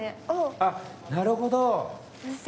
あっなるほど。